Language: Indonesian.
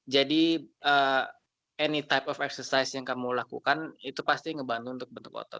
jadi any type of exercise yang kamu lakukan itu pasti ngebantu untuk membentuk otot